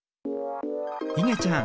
いげちゃん